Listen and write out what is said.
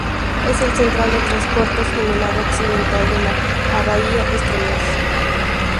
Es el central de tres puertos en el lado occidental de la bahía Stromness.